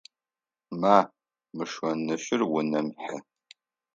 Ма, мы шӏонищыр унэм хьы!